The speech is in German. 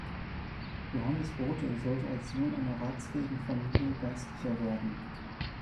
Johannes Rothe sollte als Sohn einer ratsfähigen Familie Geistlicher werden.